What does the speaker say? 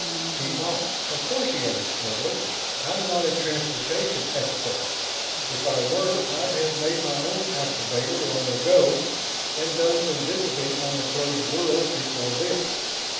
He paused. "Of course," he added, smugly, "I'm not a transportation expert. If I were, I'd have made my own activator long ago, and done some visiting on the closed worlds before this.